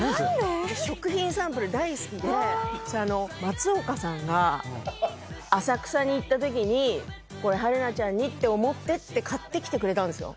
食品サンプル大好きで松岡さんが浅草に行ったときに「これ春菜ちゃんにって思って」って買ってきてくれたんですよ。